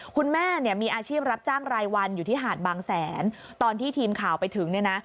คุณแม่เนี่ยมีอาชีพรับจ้างรายวันอยู่ที่หาดบางแสนตอนที่ทีมข่าวไปถึงเนี่ยนะ